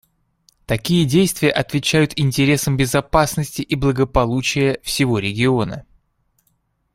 Такие действия отвечают интересам безопасности и благополучия всего региона.